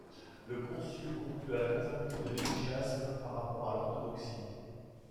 Le concile conclut à la conformité de l'hésychasme par rapport à l'orthodoxie.